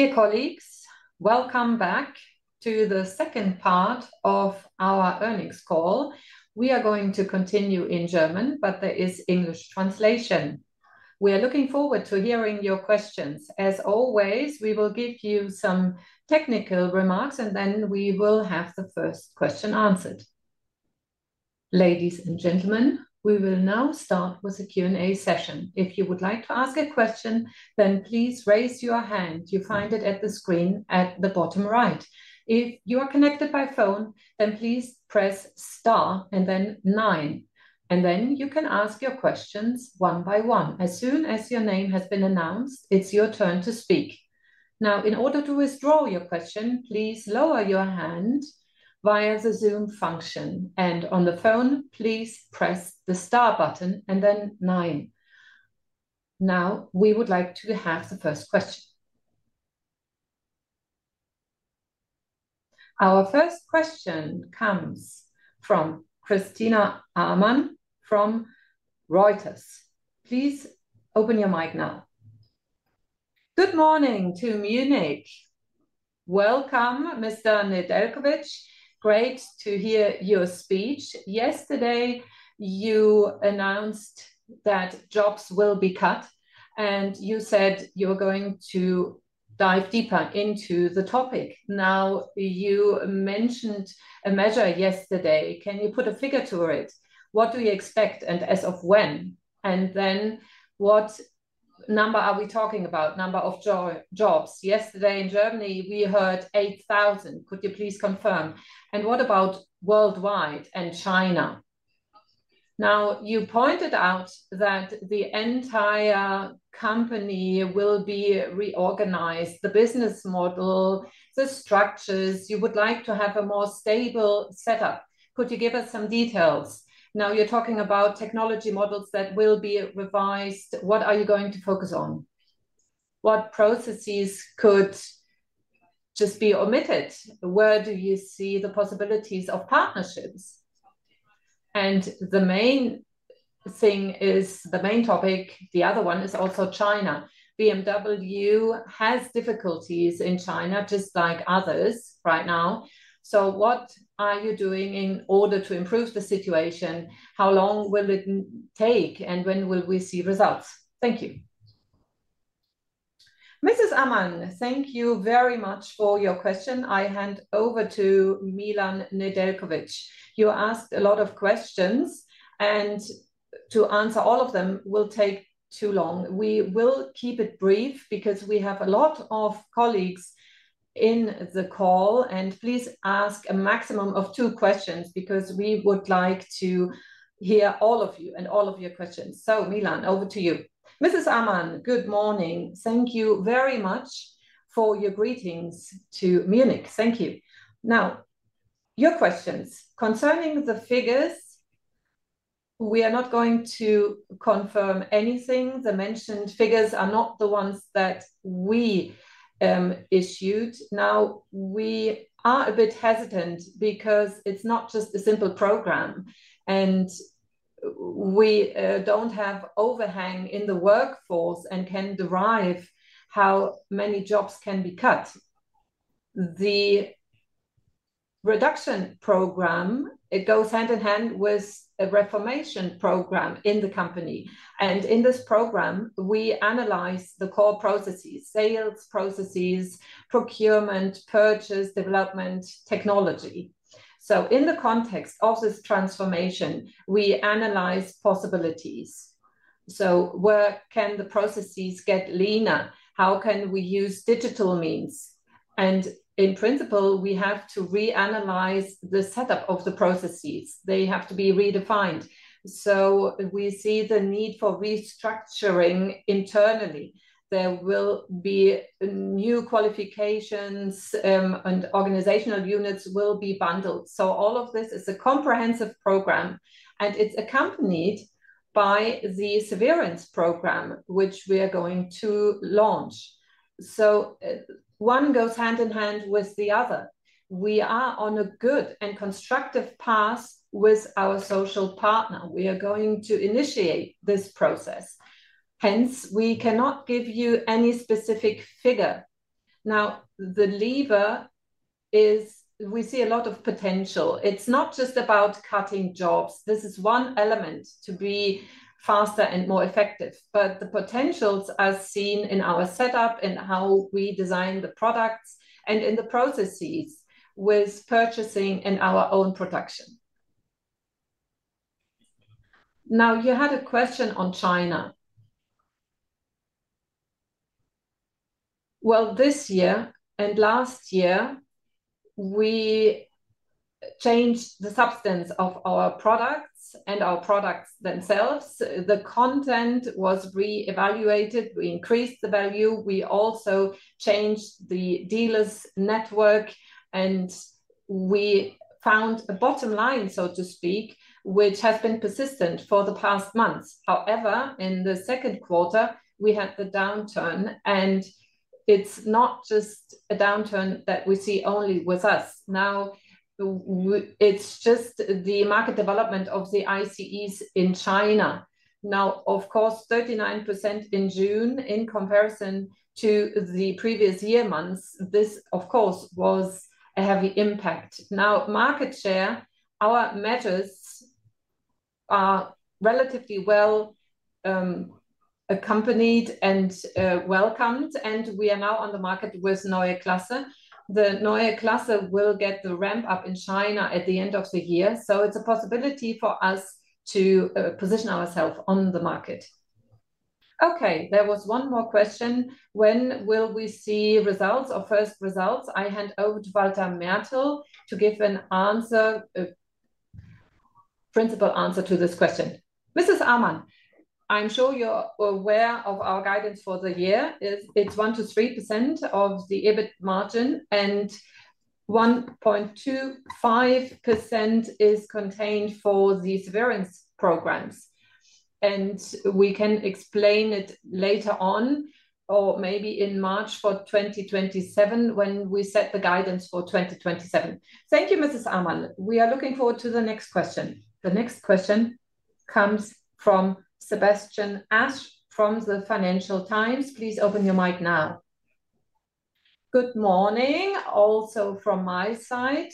Dear colleagues, welcome back to the second part of our earnings call. We are going to continue in German, but there is English translation. We are looking forward to hearing your questions. As always, we will give you some technical remarks, and then we will have the first question answered. Ladies and gentlemen, we will now start with the Q&A session. If you would like to ask a question, then please raise your hand. You find it at the screen at the bottom right. If you are connected by phone, then please press star and then nine, and then you can ask your questions one by one. As soon as your name has been announced, it's your turn to speak. In order to withdraw your question, please lower your hand via the Zoom function, and on the phone, please press the star button and then nine. We would like to have the first question. Our first question comes from Christina Amann from Reuters. Please open your mic now. Good morning to Munich. Welcome, Mr. Nedeljković. Great to hear your speech. Yesterday, you announced that jobs will be cut, and you said you were going to dive deeper into the topic. You mentioned a measure yesterday. Can you put a figure to it? What do you expect, and as of when? What number are we talking about? Number of jobs. Yesterday in Germany, we heard 8,000. Could you please confirm? What about worldwide and China? You pointed out that the entire company will be reorganized, the business model, the structures. You would like to have a more stable setup. Could you give us some details? You're talking about technology models that will be revised. What are you going to focus on? What processes could just be omitted? Where do you see the possibilities of partnerships? The main topic, the other one is also China. BMW has difficulties in China, just like others right now. What are you doing in order to improve the situation? How long will it take, and when will we see results? Thank you. Mrs. Amann, thank you very much for your question. I hand over to Milan Nedeljković. You asked a lot of questions, and to answer all of them will take too long. We will keep it brief because we have a lot of colleagues in the call, and please ask a maximum of two questions because we would like to hear all of you and all of your questions. Milan, over to you. Mrs. Amann, good morning. Thank you very much for your greetings to Munich. Thank you. Your questions. Concerning the figures, we are not going to confirm anything. The mentioned figures are not the ones that we issued. We are a bit hesitant because it's not just a simple program, and we don't have overhang in the workforce and can derive how many jobs can be cut. The reduction program, it goes hand in hand with a reformation program in the company, and in this program, we analyze the core processes, sales processes, procurement, purchase, development, technology. In the context of this transformation, we analyze possibilities. Where can the processes get leaner? How can we use digital means? In principle, we have to reanalyze the setup of the processes. They have to be redefined. We see the need for restructuring internally. There will be new qualifications, and organizational units will be bundled. All of this is a comprehensive program, and it's accompanied by the severance program, which we are going to launch. One goes hand in hand with the other. We are on a good and constructive path with our social partner. We are going to initiate this process. We cannot give you any specific figure. The lever is we see a lot of potential. It's not just about cutting jobs. This is one element to be faster and more effective. The potentials are seen in our setup, in how we design the products, and in the processes with purchasing and our own production. You had a question on China. This year and last year, we changed the substance of our products and our products themselves. The content was reevaluated. We increased the value. We also changed the dealers' network, and we found a bottom line, so to speak, which has been persistent for the past months. In the second quarter, we had the downturn, and it's not just a downturn that we see only with us. It's just the market development of the ICEs in China. Of course, 39% in June in comparison to the previous year months, this, of course, was a heavy impact. Market share, our matters are relatively well-accompanied and welcomed, and we are now on the market with Neue Klasse. The Neue Klasse will get the ramp-up in China at the end of the year. It's a possibility for us to position ourself on the market. There was one more question. When will we see results or first results? I hand over to Walter Mertl to give a principal answer to this question. Mrs. Amann, I'm sure you're aware of our guidance for the year. It's 1%-3% of the EBIT margin, and 1.25% is contained for the severance programs. We can explain it later on, or maybe in March for 2027, when we set the guidance for 2027. Thank you, Mrs. Amann. We are looking forward to the next question. The next question comes from Sebastien Ash from the Financial Times. Please open your mic now. Good morning also from my side.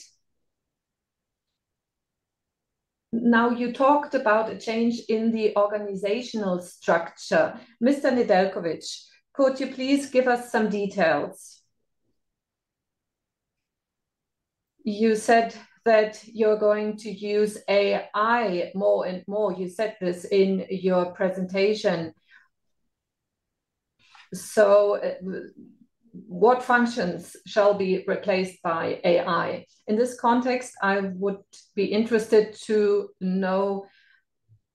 You talked about a change in the organizational structure. Mr. Nedeljković, could you please give us some details? You said that you're going to use AI more and more. You said this in your presentation. What functions shall be replaced by AI? In this context, I would be interested to know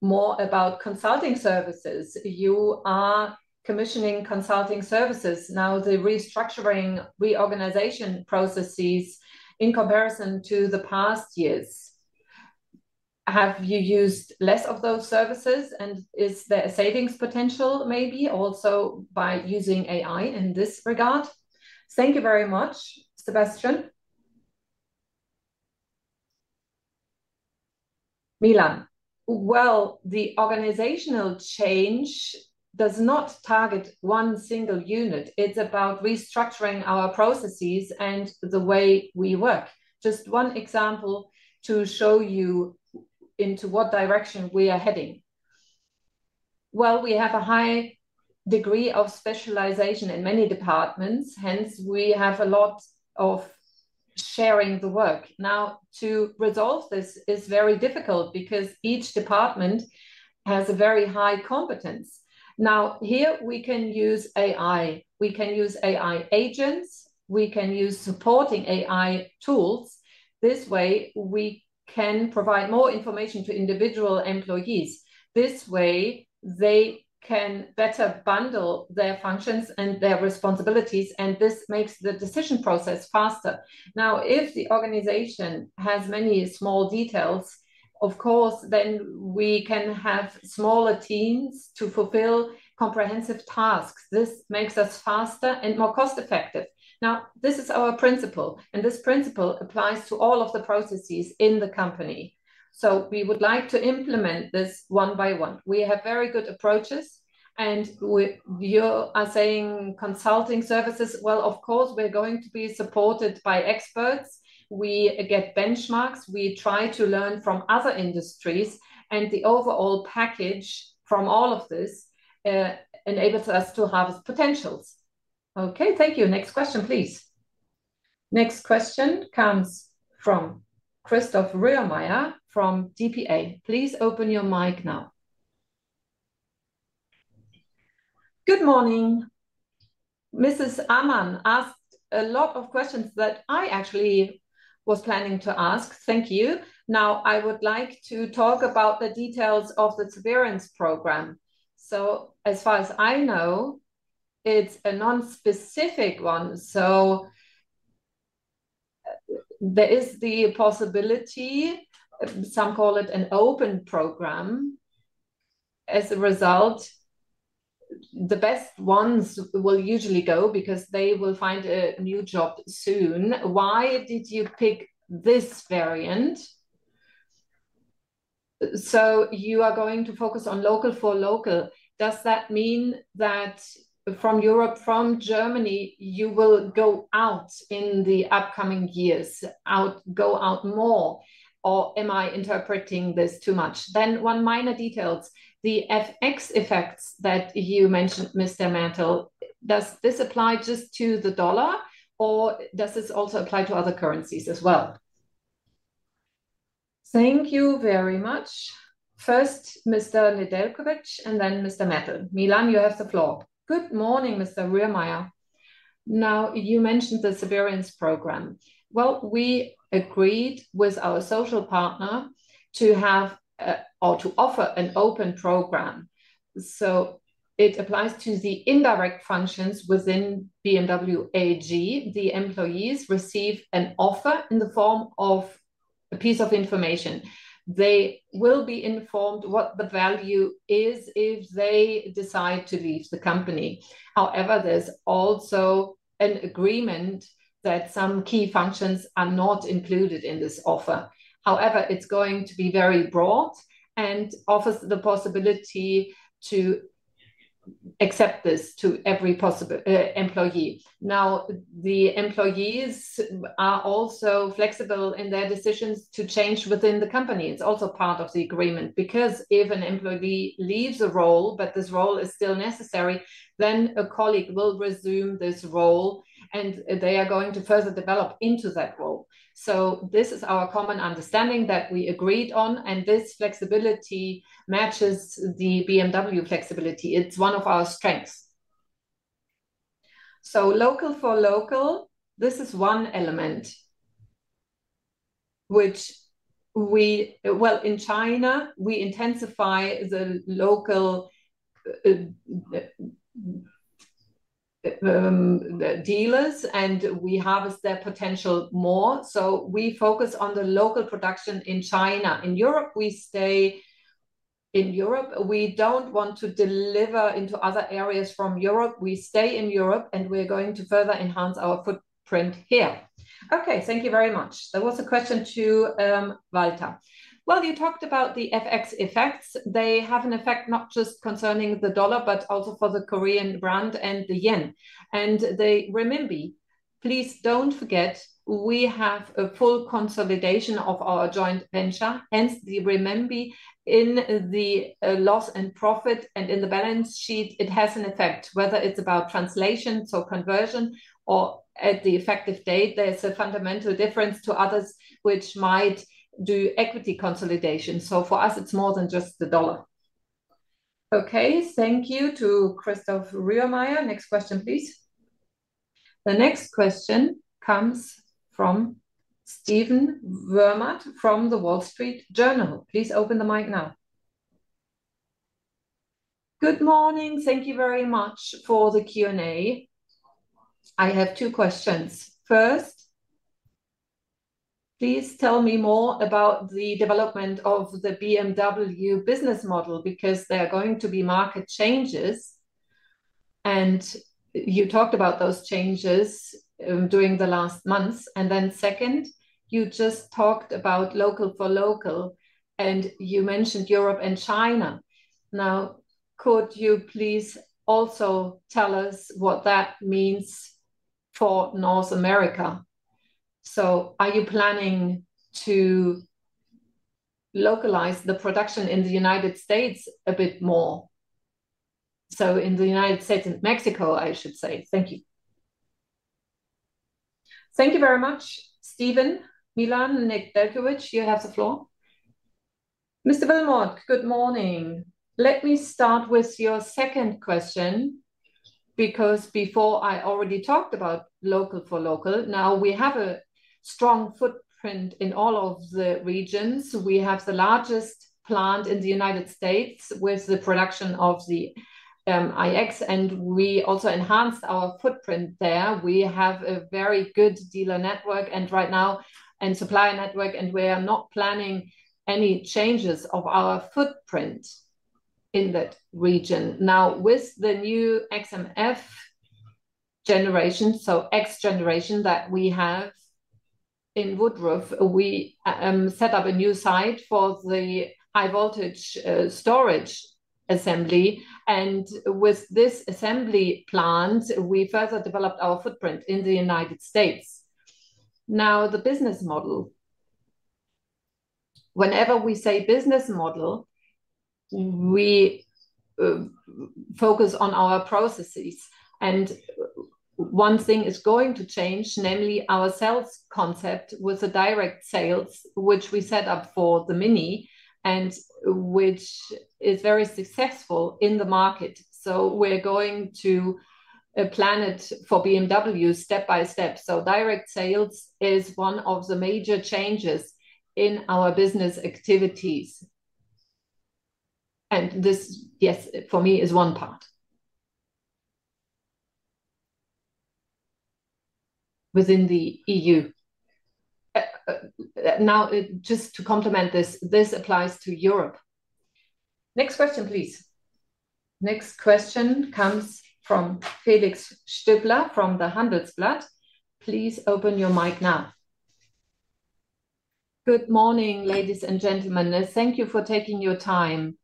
more about consulting services. You are commissioning consulting services now, the restructuring, reorganization processes in comparison to the past years. Have you used less of those services, and is there a savings potential, maybe, also by using AI in this regard? Thank you very much, Sebastien. Milan. The organizational change does not target one single unit. It's about restructuring our processes and the way we work. Just one example to show you into what direction we are heading. We have a high degree of specialization in many departments, hence, we have a lot of sharing the work. To resolve this is very difficult because each department has a very high competence. Here we can use AI. We can use AI agents, we can use supporting AI tools. This way, we can provide more information to individual employees. This way, they can better bundle their functions and their responsibilities, this makes the decision process faster. If the organization has many small details, then we can have smaller teams to fulfill comprehensive tasks. This makes us faster and more cost-effective. This is our principle, this principle applies to all of the processes in the company. We would like to implement this one by one. We have very good approaches, you are saying consulting services. We're going to be supported by experts. We get benchmarks. We try to learn from other industries, the overall package from all of this enables us to harvest potentials. Okay. Thank you. Next question, please. Next question comes from Christof Rührmair from dpa. Please open your mic now. Mrs. Amann asked a lot of questions that I actually was planning to ask. Thank you. I would like to talk about the details of the severance program. As far as I know, it's a non-specific one, there is the possibility, some call it an open program. As a result, the best ones will usually go because they will find a new job soon. Why did you pick this variant? You are going to focus on local for local. Does that mean that from Europe, from Germany, you will go out in the upcoming years, go out more, or am I interpreting this too much? One minor detail, the FX effects that you mentioned, Mr. Mertl, does this apply just to the U.S. dollar, or does this also apply to other currencies as well? Thank you very much. First, Mr. Nedeljković, then Mr. Mertl. Milan, you have the floor. Good morning, Mr. Rührmair. You mentioned the severance program. We agreed with our social partner to have or to offer an open program. It applies to the indirect functions within BMW AG. The employees receive an offer in the form of a piece of information. They will be informed what the value is if they decide to leave the company. However, there's also an agreement that some key functions are not included in this offer. However, it's going to be very broad and offers the possibility to accept this to every possible employee. The employees are also flexible in their decisions to change within the company. It's also part of the agreement, because if an employee leaves a role, but this role is still necessary, a colleague will resume this role, they are going to further develop into that role. This is our common understanding that we agreed on, this flexibility matches the BMW flexibility. It's one of our strengths. Local for local, this is one element. In China, we intensify the local dealers, we harvest their potential more. We focus on the local production in China. In Europe, we stay in Europe. We don't want to deliver into other areas from Europe. We stay in Europe, we're going to further enhance our footprint here. Okay, thank you very much. There was a question to Walter. You talked about the FX effects. They have an effect not just concerning the U.S. dollar, but also for the Korean won and the Japanese yen. The renminbi, please don't forget, we have a full consolidation of our joint venture. The renminbi in the loss and profit and in the balance sheet, it has an effect, whether it's about translation, so conversion, or at the effective date, there's a fundamental difference to others, which might do equity consolidation. For us, it's more than just the U.S. dollar. Okay, thank you to Christof Rührmair. Next question, please. The next question comes from Stephen Wilmot from The Wall Street Journal. Please open the mic now. "Good morning. Thank you very much for the Q&A. I have two questions. First, please tell me more about the development of the BMW business model, because there are going to be market changes, and you talked about those changes during the last months. Second, you just talked about local for local, and you mentioned Europe and China. Could you please also tell us what that means for North America? Are you planning to localize the production in the United States a bit more? In the United States and Mexico, I should say. Thank you." Thank you very much, Stephen. Milan Nedeljković, you have the floor. Mr. Wilmot, good morning. Let me start with your second question, because before I already talked about local for local. We have a strong footprint in all of the regions. We have the largest plant in the U.S. with the production of the iX, and we also enhanced our footprint there. We have a very good dealer network and supplier network, and we are not planning any changes of our footprint in that region. With the new XM generation, so X generation that we have in Woodruff, we set up a new site for the high-voltage storage assembly. With this assembly plant, we further developed our footprint in the U.S. The business model. Whenever we say business model, we focus on our processes, and one thing is going to change, namely our sales concept with the direct sales, which we set up for the MINI and which is very successful in the market. We're going to plan it for BMW step by step. Direct sales is one of the major changes in our business activities. This, yes, for me is one part. Within the EU. Just to complement this applies to Europe. Next question, please. Next question comes from Felix Stöppler from the Handelsblatt. Please open your mic now. "Good morning, ladies and gentlemen. Thank you for taking your time.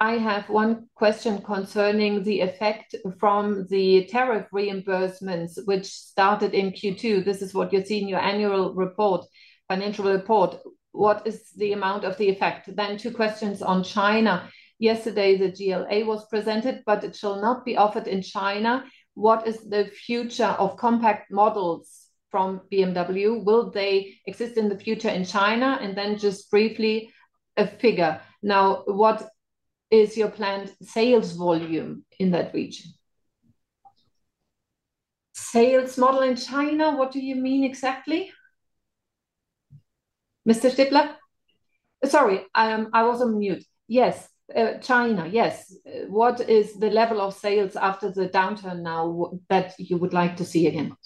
I have one question concerning the effect from the tariff reimbursements, which started in Q2. This is what you see in your annual report, financial report. What is the amount of the effect? Two questions on China. Yesterday, the GLA was presented, but it shall not be offered in China. What is the future of compact models from BMW? Will they exist in the future in China? Just briefly, a figure. What is your planned sales volume in that region?" Sales model in China? What do you mean exactly? Mr. Stöppler? Sorry, I was on mute. Yes, China. Yes. What is the level of sales after the downturn now that you would like to see again?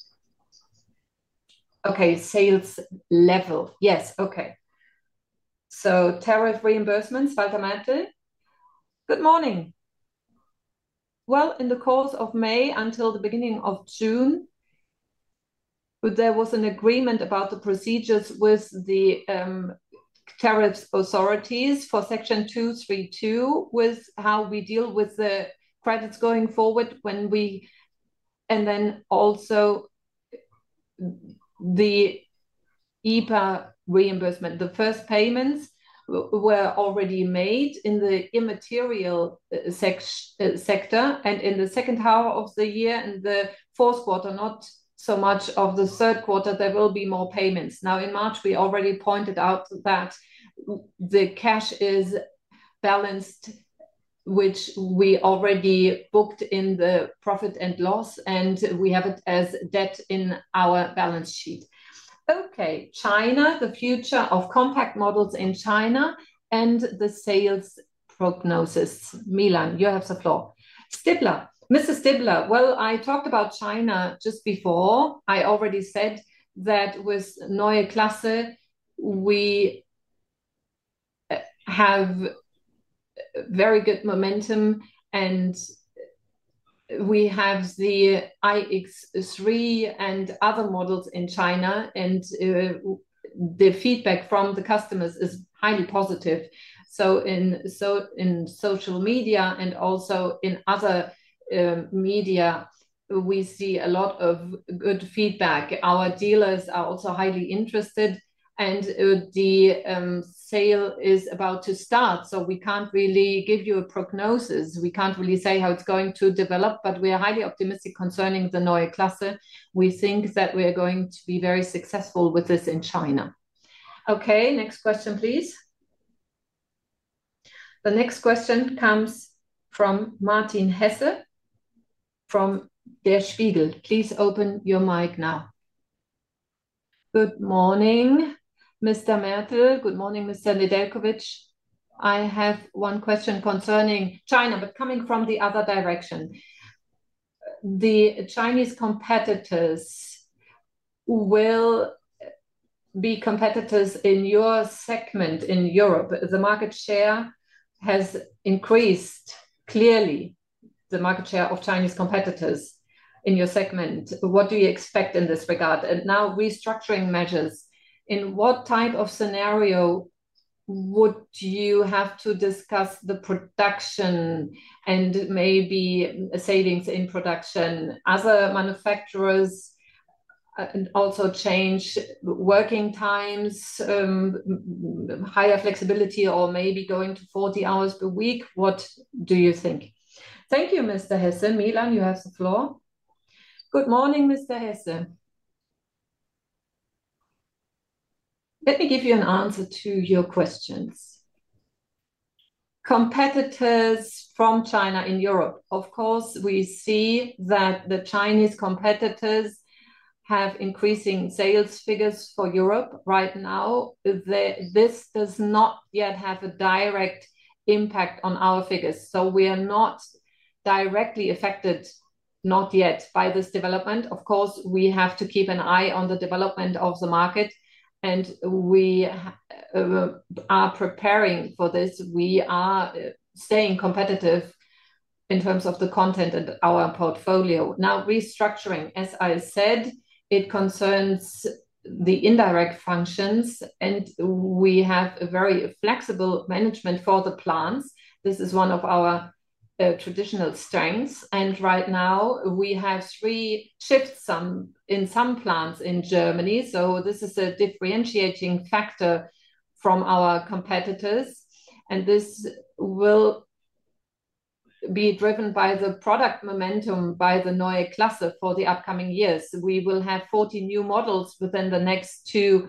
Okay, sales level. Yes, okay. Tariff reimbursements, Walter Mertl. Good morning. Well, in the course of May until the beginning of June. There was an agreement about the procedures with the tariffs authorities for Section 232 with how we deal with the credits going forward. Then also the EPA reimbursement. The first payments were already made in the immaterial sector, and in the second half of the year and the fourth quarter, not so much of the third quarter, there will be more payments. In March, we already pointed out that the cash is balanced, which we already booked in the profit and loss, and we have it as debt in our balance sheet. Okay. China, the future of compact models in China and the sales prognosis. Milan, you have the floor. Mr. Stöppler. I talked about China just before. I already said that with Neue Klasse, we have very good momentum, and we have the iX3 and other models in China, and the feedback from the customers is highly positive. In social media and also in other media, we see a lot of good feedback. Our dealers are also highly interested, and the sale is about to start, so we can't really give you a prognosis. We can't really say how it's going to develop, but we are highly optimistic concerning the Neue Klasse. We think that we're going to be very successful with this in China. Okay, next question, please. The next question comes from Martin Hesse from Der Spiegel. Please open your mic now. Good morning, Mr. Mertl. Good morning, Mr. Nedeljković. I have one question concerning China, coming from the other direction. The Chinese competitors will be competitors in your segment in Europe. The market share has increased, clearly the market share of Chinese competitors in your segment. What do you expect in this regard? Now restructuring measures. In what type of scenario would you have to discuss the production and maybe savings in production? Other manufacturers also change working times, higher flexibility, or maybe going to 40 hours per week. What do you think? Thank you, Mr. Hesse. Milan, you have the floor. Good morning, Mr. Hesse. Let me give you an answer to your questions. Competitors from China in Europe. Of course, we see that the Chinese competitors have increasing sales figures for Europe right now. This does not yet have a direct impact on our figures. We are not directly affected, not yet by this development. Of course, we have to keep an eye on the development of the market, and we are preparing for this. We are staying competitive in terms of the content and our portfolio. Restructuring, as I said, it concerns the indirect functions, and we have a very flexible management for the plants. This is one of our traditional strengths. Right now we have three shifts in some plants in Germany, so this is a differentiating factor from our competitors, and this will be driven by the product momentum by the Neue Klasse for the upcoming years. We will have 40 new models within the next two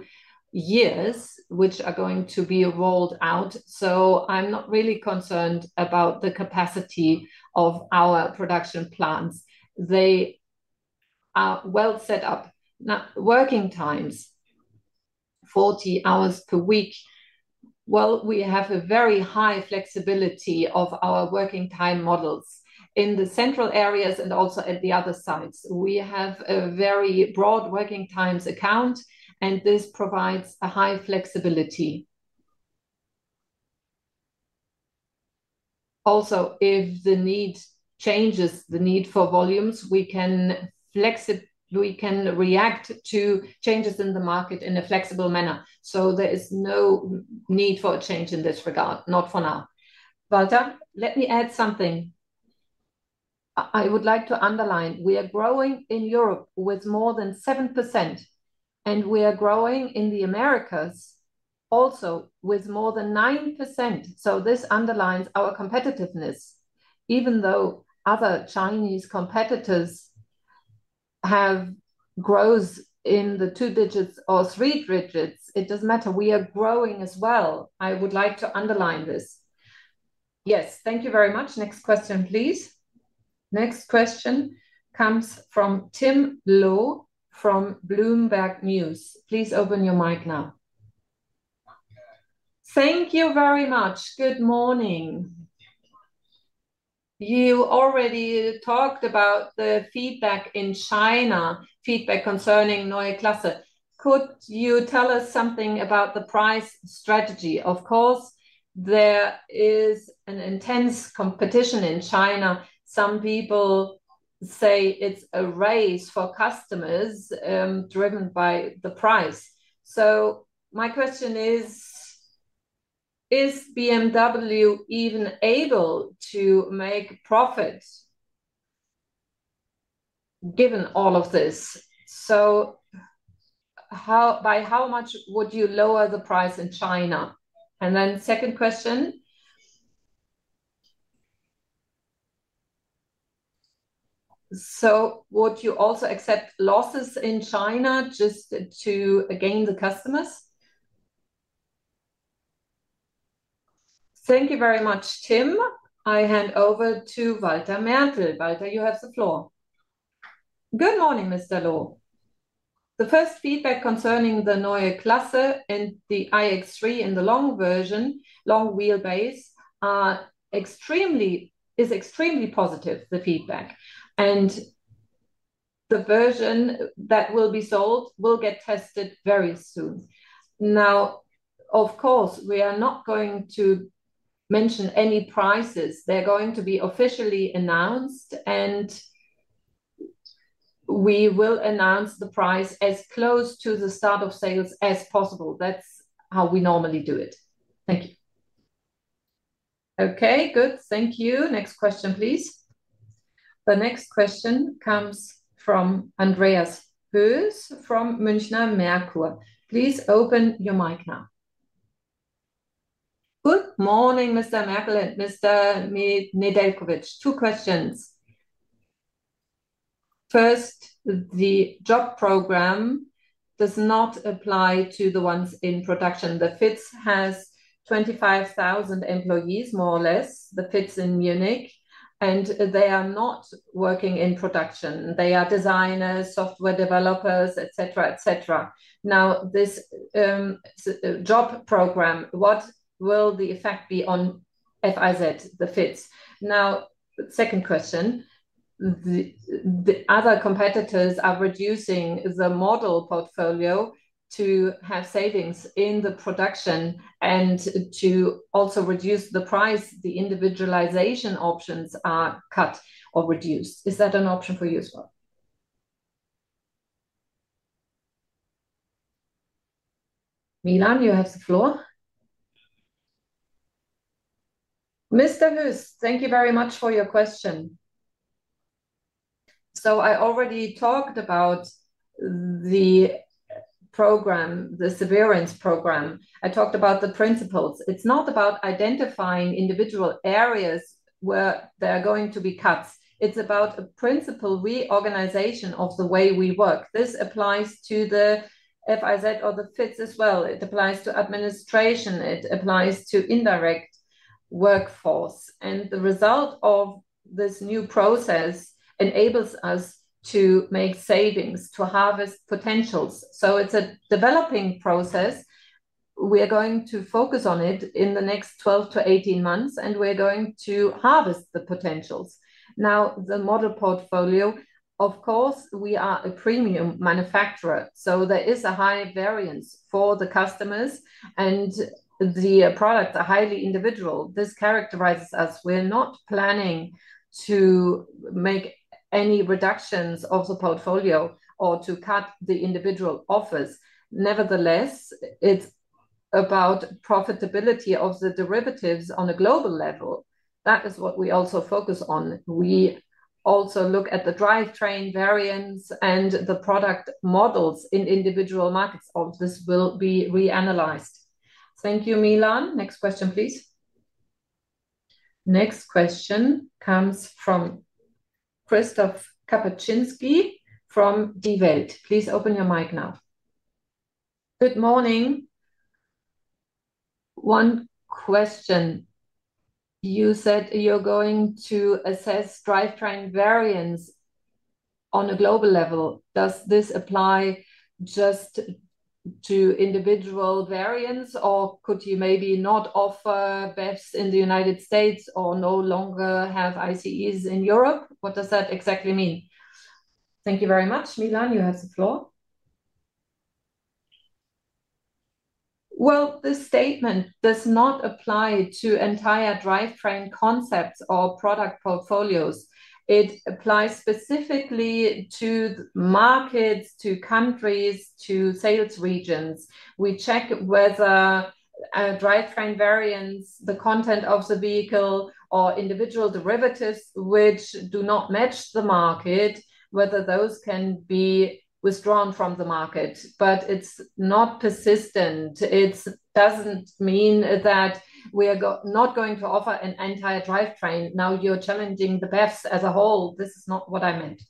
years, which are going to be rolled out. I'm not really concerned about the capacity of our production plants. They are well set up. Working times, 40 hours per week. Well, we have a very high flexibility of our working time models. In the central areas and also at the other sites. We have a very broad working times account. This provides a high flexibility. If the need changes, the need for volumes, we can react to changes in the market in a flexible manner. There is no need for a change in this regard. Not for now. Walter? Let me add something. I would like to underline, we are growing in Europe with more than 7%, and we are growing in the Americas also with more than 9%. This underlines our competitiveness. Even though other Chinese competitors have growth in the two digits or three digits, it doesn't matter. We are growing as well. I would like to underline this. Yes. Thank you very much. Next question, please. Next question comes from Tim Loh from Bloomberg News. Please open your mic now. Thank you very much. Good morning. You already talked about the feedback in China, feedback concerning Neue Klasse. Could you tell us something about the price strategy? Of course, there is an intense competition in China. Some people say it's a race for customers driven by the price. My question is BMW even able to make profits given all of this? By how much would you lower the price in China? Second question, would you also accept losses in China just to gain the customers? Thank you very much, Tim. I hand over to Walter Mertl. Walter, you have the floor. Good morning, Mr. Loh. The first feedback concerning the Neue Klasse and the iX3 in the long version, long wheelbase, is extremely positive, the feedback. The version that will be sold will get tested very soon. Of course, we are not going to mention any prices. They're going to be officially announced, and we will announce the price as close to the start of sales as possible. That's how we normally do it. Thank you. Thank you. Next question, please. The next question comes from Andreas Höß from Münchner Merkur. Please open your mic now. Good morning, Mr. Mertl and Mr. Nedeljković. Two questions. First, the job program does not apply to the ones in production. The FIZ has 25,000 employees, more or less, the FIZ in Munich, and they are not working in production. They are designers, software developers, et cetera. This job program, what will the effect be on FIZ, the FIZ? Second question, the other competitors are reducing the model portfolio to have savings in the production and to also reduce the price. The individualization options are cut or reduced. Is that an option for you as well? Milan, you have the floor. Mr. Höß, thank you very much for your question. I already talked about the program, the severance program. I talked about the principles. It's not about identifying individual areas where there are going to be cuts. It's about a principle reorganization of the way we work. This applies to the FIZ or the FIZ as well. It applies to administration, it applies to indirect workforce, and the result of this new process enables us to make savings, to harvest potentials. It's a developing process. We are going to focus on it in the next 12-18 months, and we're going to harvest the potentials. The model portfolio, of course, we are a premium manufacturer, so there is a high variance for the customers, and the product are highly individual. This characterizes us. We're not planning to make any reductions of the portfolio or to cut the individual offers. Nevertheless, it's about profitability of the derivatives on a global level. That is what we also focus on. We also look at the drivetrain variance and the product models in individual markets. All this will be reanalyzed. Thank you, Milan. Next question, please. Next question comes from Christoph Kapalschinski from Die Welt. Please open your mic now. Good morning. One question? You said you're going to assess drivetrain variance on a global level. Does this apply just to individual variance, or could you maybe not offer BEVs in the United States or no longer have ICEs in Europe? What does that exactly mean? Thank you very much. Milan, you have the floor. Well, this statement does not apply to entire drivetrain concepts or product portfolios. It applies specifically to markets, to countries, to sales regions. We check whether a drivetrain variance, the content of the vehicle, or individual derivatives which do not match the market, whether those can be withdrawn from the market, but it's not persistent. It doesn't mean that we are not going to offer an entire drivetrain. You're challenging the BEVs as a whole. This is not what I meant.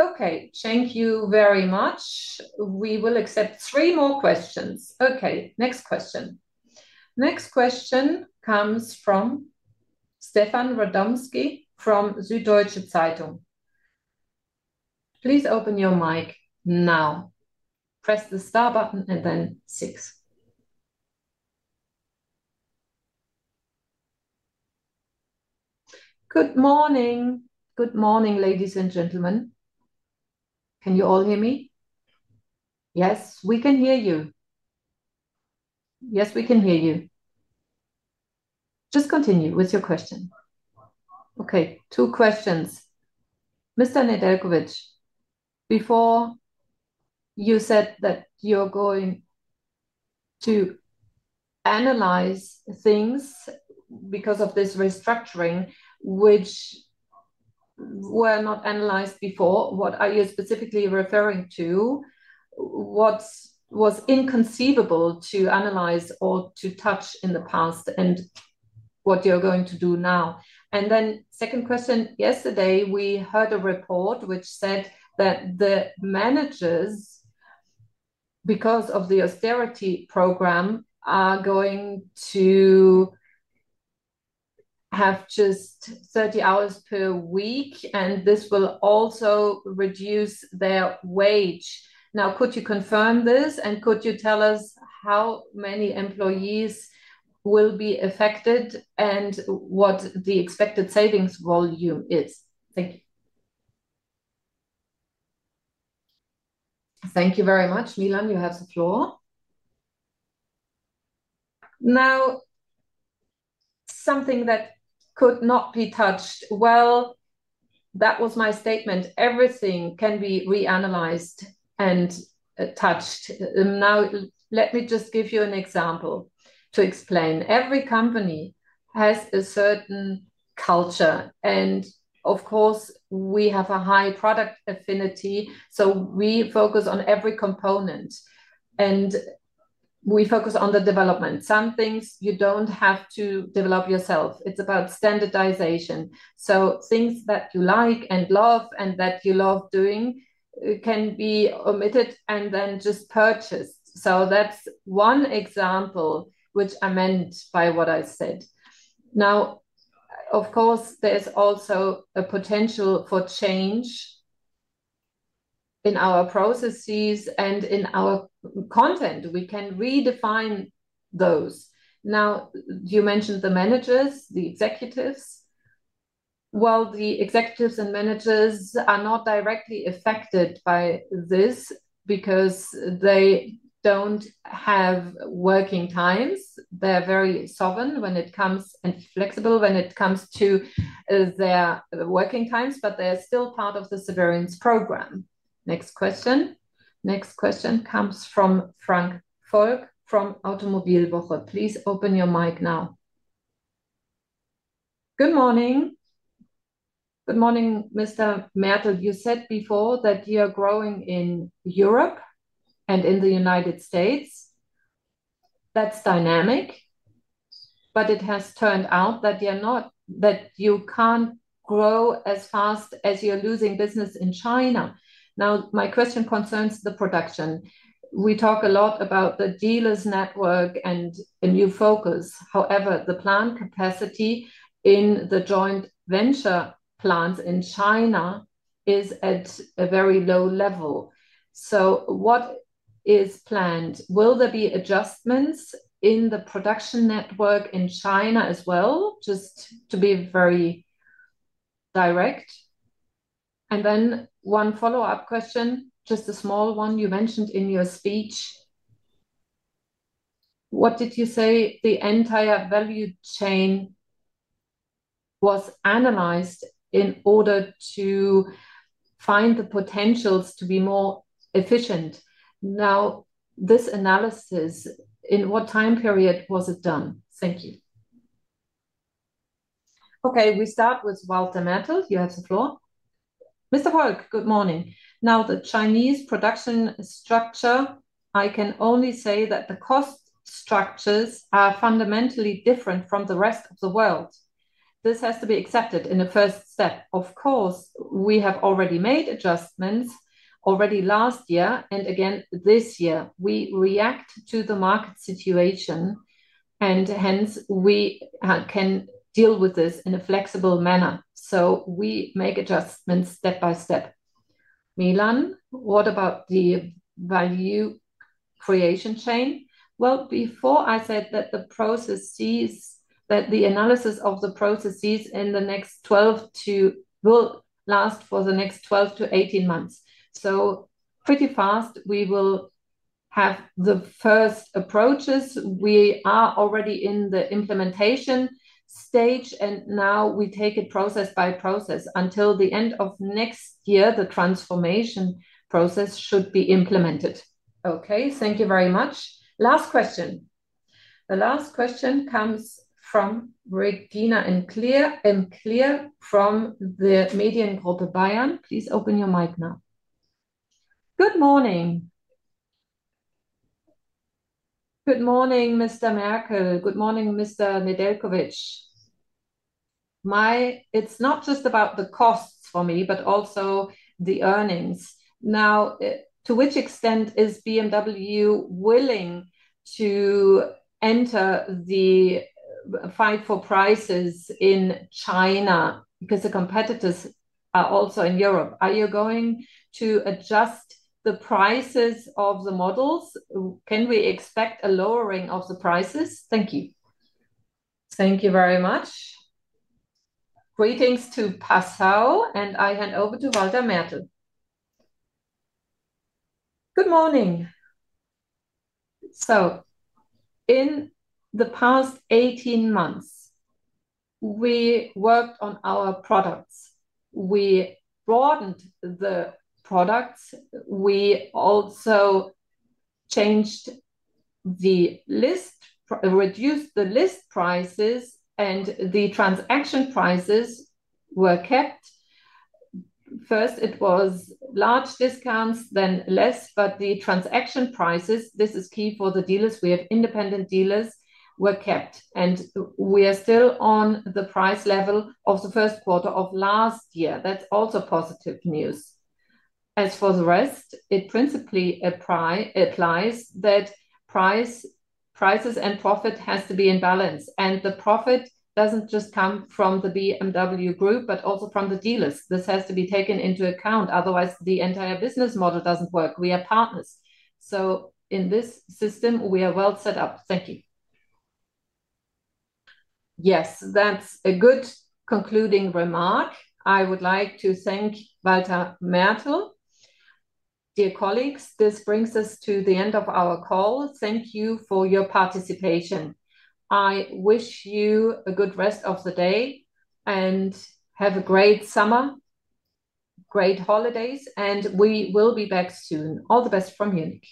Okay. Thank you very much. We will accept three more questions. Okay, next question. Next question comes from Stephan Radomsky from Süddeutsche Zeitung. Please open your mic now. Press the star button and then six. Good morning. Good morning, ladies and gentlemen. Can you all hear me? Yes, we can hear you. Yes, we can hear you. Just continue with your question. Okay, two questions. Mr. Nedeljković, before you said that you're going to analyze things because of this restructuring which were not analyzed before. What are you specifically referring to? What was inconceivable to analyze or to touch in the past and what you're going to do now? Then second question. Yesterday we heard a report which said that the managers, because of the austerity program, are going to have just 30 hours per week, and this will also reduce their wage. Could you confirm this, and could you tell us how many employees will be affected and what the expected savings volume is? Thank you. Thank you very much. Milan, you have the floor. Something that could not be touched, well, that was my statement. Everything can be reanalyzed and touched. Let me just give you an example to explain. Every company has a certain culture, of course, we have a high product affinity, we focus on every component and we focus on the development. Some things you don't have to develop yourself. It's about standardization. Things that you like and love and that you love doing can be omitted and then just purchased. That's one example which I meant by what I said. Of course, there is also a potential for change in our processes and in our content. We can redefine those. You mentioned the managers, the executives. Well, the executives and managers are not directly affected by this because they don't have working times. They're very sovereign and flexible when it comes to their working times, but they're still part of the severance program. Next question. Next question comes from Frank Volk from Automobilwoche. Please open your mic now. Good morning. Good morning, Mr. Mertl. You said before that you're growing in Europe and in the U.S. That's dynamic. It has turned out that you can't grow as fast as you're losing business in China. My question concerns the production. We talk a lot about the dealers' network and a new focus. The plant capacity in the joint venture plants in China is at a very low level. What is planned? Will there be adjustments in the production network in China as well? Just to be very direct. One follow-up question, just a small one. You mentioned in your speech, what did you say? The entire value chain was analyzed in order to find the potentials to be more efficient. This analysis, in what time period was it done? Thank you. We start with Walter Mertl. You have the floor. Mr. Volk, good morning. The Chinese production structure, I can only say that the cost structures are fundamentally different from the rest of the world. This has to be accepted in the first step. We have already made adjustments already last year and again this year. We react to the market situation, we can deal with this in a flexible manner. We make adjustments step by step. Milan, what about the value creation chain? Before I said that the analysis of the processes will last for the next 12-18 months. Pretty fast, we will have the first approaches. We are already in the implementation stage, we take it process by process. Until the end of next year, the transformation process should be implemented. Thank you very much. Last question. The last question comes from Regina Ehm-Klier from the Mediengruppe Bayern. Please open your mic now. Good morning. Good morning, Mr. Mertl. Good morning, Mr. Nedeljković. It's not just about the costs for me, but also the earnings. To which extent is BMW willing to enter the fight for prices in China? The competitors are also in Europe. Are you going to adjust the prices of the models? Can we expect a lowering of the prices? Thank you. Thank you very much. Greetings to Passau, I hand over to Walter Mertl. Good morning. In the past 18 months, we worked on our products. We broadened the products. We also changed the list, reduced the list prices, the transaction prices were kept. First, it was large discounts, then less, the transaction prices, this is key for the dealers, we have independent dealers, were kept. We are still on the price level of the first quarter of last year. That's also positive news. As for the rest, it principally applies that prices and profit has to be in balance. The profit doesn't just come from the BMW Group, but also from the dealers. This has to be taken into account, otherwise, the entire business model doesn't work. We are partners. In this system, we are well set up. Thank you. That's a good concluding remark. I would like to thank Walter Mertl. Dear colleagues, this brings us to the end of our call. Thank you for your participation. I wish you a good rest of the day and have a great summer, great holidays, we will be back soon. All the best from Munich.